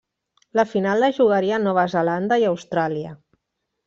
La final la jugarien Nova Zelanda i Austràlia.